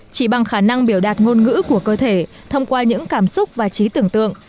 chỉ bằng khả năng biểu đạt ngôn ngữ của cơ thể thông qua những cảm xúc và trí tưởng tượng